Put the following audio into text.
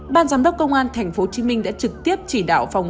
ban giám đốc công an tp hcm đã trực tiếp chỉ đạo phòng